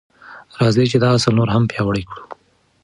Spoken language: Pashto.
راځئ چې دا اصل نور هم پیاوړی کړو.